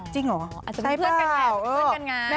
จริงเหรออาจจะเป็นเพื่อนกันแหละเพื่อนกันไงใช่เปล่า